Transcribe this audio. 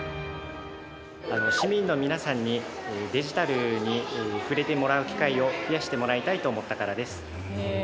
市民の皆さんにデジタルに触れてもらう機会を増やしてもらいたいと思ったからです。